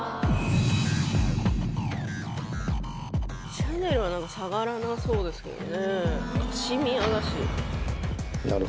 シャネルは何か下がらなそうですけどね